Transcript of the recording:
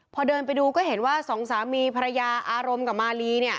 พอเดินไปดูก็เห็นว่าสองสามีภรรยาอารมณ์กับมาลีเนี่ย